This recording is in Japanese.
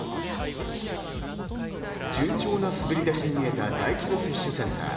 順調な滑り出しに見えた大規模接種センター。